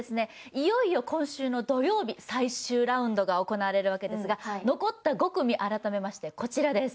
いよいよ今週の土曜日最終ラウンドが行われるわけですが残った５組改めましてこちらです